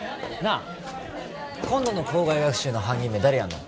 あ今度の校外学習の班決め誰やんの？